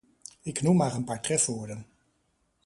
Ik noem maar een paar trefwoorden.